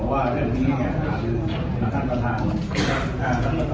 รู้ไหมครับเพราะฉะนั้นผมฟังตัวเองเลยครับว่า